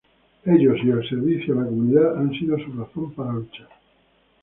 Ellos, y el servicio a la comunidad, han sido su razón para luchar.